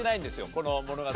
この物語に。